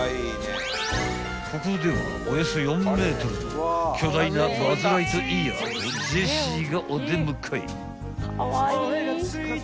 ［ここではおよそ４ｍの巨大なバズ・ライトイヤーとジェシーがお出迎え］